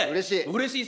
うれしい。